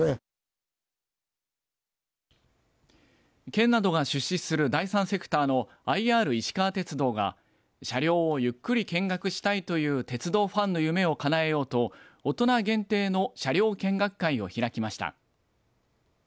県などが出資する第３セクターのＩＲいしかわ鉄道が、車両をゆっくり見学したいという鉄道ファンの夢をかなえようと大人限定の車両見学会を開きました。